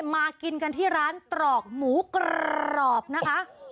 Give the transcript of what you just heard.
มากินกันที่ร้านตรอกหมูกรอบนะคะ